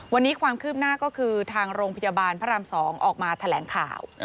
วันนี้ความคืบหน้าก็คือทางโรงพยาบาลพระราม๒ออกมาแถลงข่าว